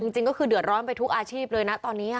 จริงก็คือเดือดร้อนไปทุกอาชีพเลยนะตอนนี้